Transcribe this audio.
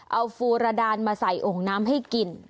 เอาฟูรดานมาใส่โอ่งน้ำให้กิน